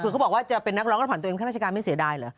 คือเขาบอกว่าจะเป็นนักร้องแล้วผ่านตัวเองเป็นข้าราชการไม่เสียดายเหรอ